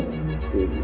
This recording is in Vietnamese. khi nhìn vào hiện trường